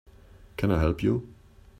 Can I help you?